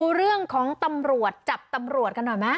เรื่องของตำรวจจับตำรวจกันหน่อยไหม